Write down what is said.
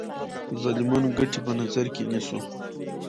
د ظالمانو ګټې په نظر کې نیسو.